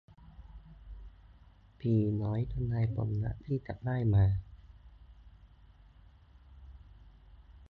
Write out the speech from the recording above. ผีน้อย ทำนายผลลัพท์ที่จะได้มา